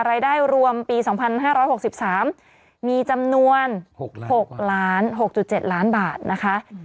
รายได้รวมปี๒๕๖๓มีจำนวน๖๖๗ล้านบาทนะคะ